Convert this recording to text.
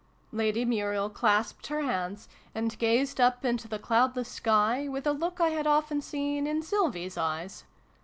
' Lady Muriel clasped her hands, and gazed up into the cloudless sky, with a look I had often seen in Sylvie's eyes.